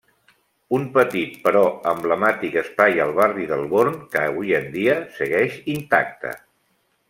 Un petit però emblemàtic espai al barri del Born que avui en dia segueix intacte.